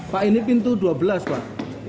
pak ini pintu dua belas pak